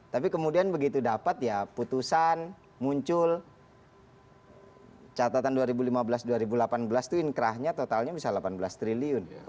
tapi kemudian begitu dapat ya putusan muncul catatan dua ribu lima belas dua ribu delapan belas itu inkrahnya totalnya bisa delapan belas triliun